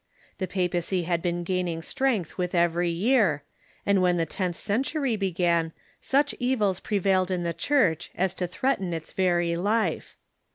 The pa pacy had been gaining strength with every year, and when the tenth century began such evils prevailed in the Church as to threaten its very life.